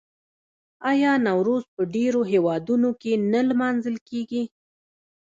آیا نوروز په ډیرو هیوادونو کې نه لمانځل کیږي؟